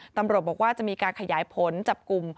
ตำรวจบอกว่าจะมีการขยายผลจับกลุ่ม